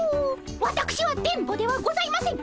わたくしは電ボではございません。